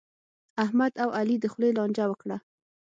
احمد او علي د خولې لانجه وکړه.